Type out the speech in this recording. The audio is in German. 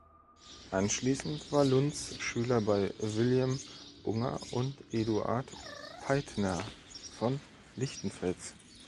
Anschließend war Luntz Schüler bei William Unger und Eduard Peithner von Lichtenfels.